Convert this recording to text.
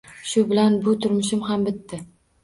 Shu bilan bu turmushim ham bitdi